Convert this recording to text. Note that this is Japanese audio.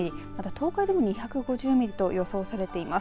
東海でも２５０ミリと予想されています。